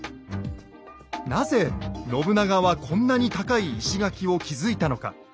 なぜ信長はこんなに高い石垣を築いたのか。